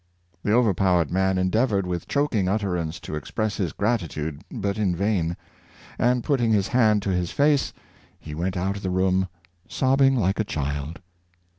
^' The over powered man endeavored with choking utterance to express his gratitude, but in vain; and putting his hand to his face, he went out of the room sobbing like a child.